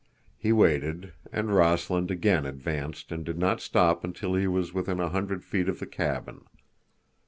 He waited, and Rossland again advanced and did not stop until he was within a hundred feet of the cabin.